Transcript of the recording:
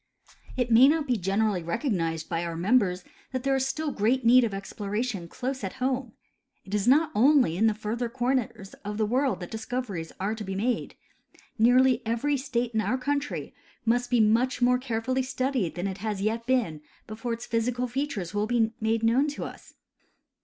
It may not be generally recognized by our members that there is still great need of exploration close at home. It is not only in the further corners of the world that discoveries are to be (68) The Neiv England Peneplain. 69 made. Nearly every state in our country must be much more carefully studied than it yet has been before its physical features will be made known to us.